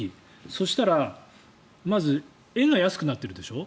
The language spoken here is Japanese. そしたら、まず円が安くなってるでしょ。